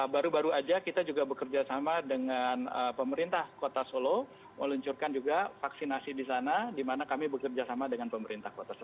baru baru saja kita juga bekerja sama dengan pemerintah kota solo meluncurkan juga vaksinasi di sana di mana kami bekerja sama dengan pemerintah kota solo